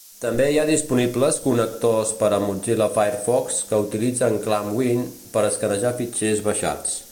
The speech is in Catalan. També hi ha disponibles connectors per a Mozilla Firefox que utilitzen ClamWin per escanejar fitxers baixats.